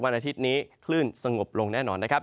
อาทิตย์นี้คลื่นสงบลงแน่นอนนะครับ